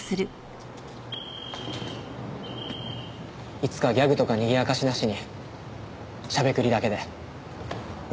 いつかギャグとか賑やかしなしにしゃべくりだけで笑